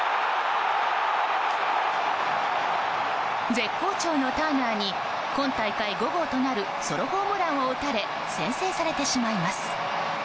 絶好調のターナーに今大会５号となるソロホームランを打たれ先制されてしまいます。